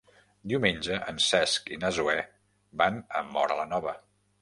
Diumenge en Cesc i na Zoè van a Móra la Nova.